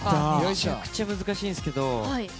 めちゃくちゃ難しいんですけど。